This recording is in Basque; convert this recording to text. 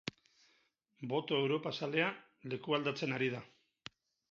Boto europazalea lekualdatzen ari da.